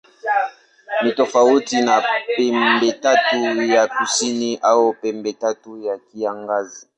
Ni tofauti na Pembetatu ya Kusini au Pembetatu ya Kiangazi.